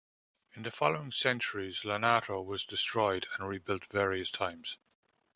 In the following centuries Lonato was destroyed and rebuilt various times.